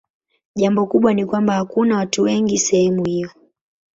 Jambo kubwa ni kwamba hakuna watu wengi sehemu hiyo.